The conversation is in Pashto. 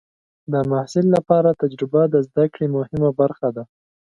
د محصل لپاره تجربه د زده کړې مهمه برخه ده.